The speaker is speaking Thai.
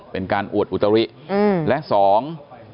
เป็นการอวดอุตริอืมและสอง